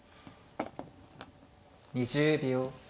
２０秒。